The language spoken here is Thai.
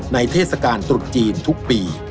เทศกาลตรุษจีนทุกปี